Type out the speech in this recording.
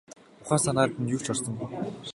Ухаан санаанд нь юу ч орсонгүй.